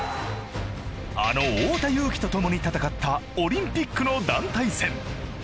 あの太田雄貴と共に戦ったオリンピックの団体戦。